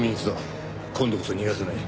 今度こそ逃がさない。